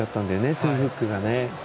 トウフックがね。